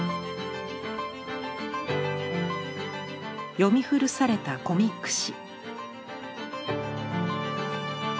読み古されたコミック誌。